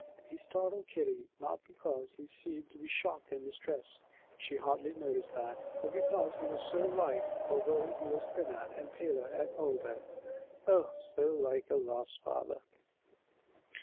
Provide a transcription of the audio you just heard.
He startled Kitty, not because he seemed to be shocked and distressed, she hardly noticed that; but because he was so like although he was thinner and paler and older oh, so like her lost father!